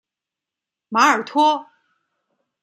马尔托。